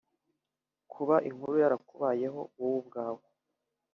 Kuba inkuru yarakubayeho wowe ubwawe